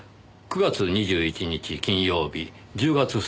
９月２１日金曜日１０月２日火曜日。